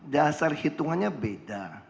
dasar hitungannya beda